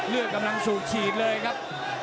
เลือดกำลังสูบฉีดเลยครับ